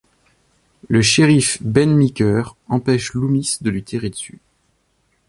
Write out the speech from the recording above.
Le Shérif Ben Meeker empêche Loomis de lui tirer dessus.